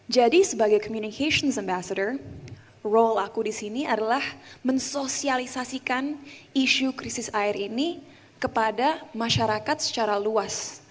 sebagai communication ambaster role aku di sini adalah mensosialisasikan isu krisis air ini kepada masyarakat secara luas